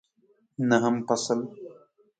نهم فصل